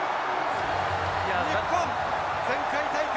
日本前回大会